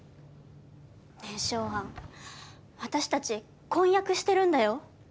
ねえショウアン私たち婚約してるんだよ。